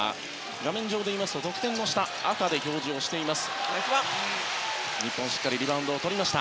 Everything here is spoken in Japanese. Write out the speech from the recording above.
画面上で言いますと得点の下、赤で表示しています。